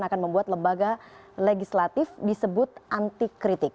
dan akan membuat lembaga legislatif disebut anti kritik